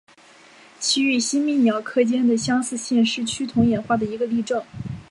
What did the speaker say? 其与吸蜜鸟科间的相拟性是趋同演化的一个例证。